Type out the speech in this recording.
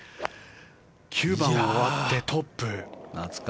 ９番終わってトップ。